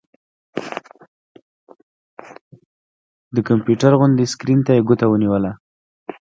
د کمپيوټر غوندې سکرين ته يې ګوته ونيوله